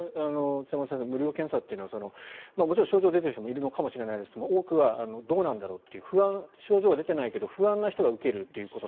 北村先生無料検査というのはもちろん症状が出ている人もいるのかはしれませんが多くはどうなんだろうという症状は出ていないけど不安な人が受けているという。